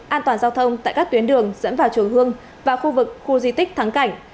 an toàn giao thông tại các tuyến đường dẫn vào chùa hương và khu vực khu di tích thắng cảnh